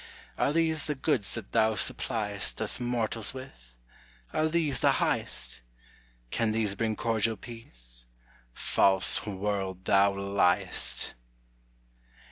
Are these the goods that thou supply'st Us mortals with? Are these the high'st? Can these bring cordial peace? false world, thou ly'st.